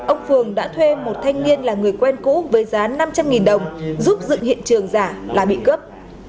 ông phường đã thuê một thanh niên là người quen cũ với giá năm trăm linh đồng giúp dựng hiện trường giả là bị cướp